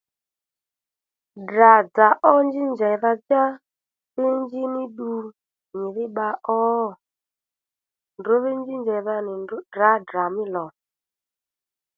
Ddrà-dzà ó njíy njèydha-djá ndrǔ dhí njí ní ddu nyìdhí bba ó? Ndrǔ dhí njí njèydha nì ndrǔ tdrǎ Ddrà mí lò